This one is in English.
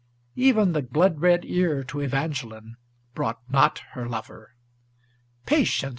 Even the blood red ear to Evangeline brought not her lover. "Patience!"